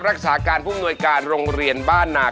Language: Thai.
รักษาการผู้มนวยการโรงเรียนบ้านนา